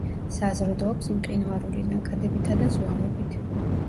საზრდოობს მყინვარული ნაკადებითა და ზვავებით.